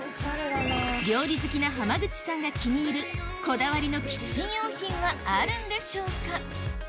料理好きな浜口さんが気に入るこだわりのキッチン用品はあるんでしょうか？